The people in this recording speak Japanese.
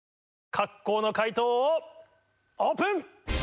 各校の解答をオープン！